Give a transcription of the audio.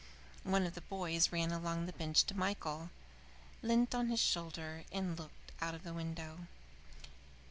One of the boys ran along the bench to Michael, leant on his shoulder, and looked out of the window.